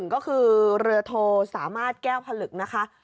ก็คือเรือโทสามารถแก้วผลึกนะคะ